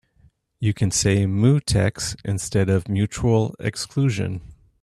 You can say mutex instead of mutual exclusion.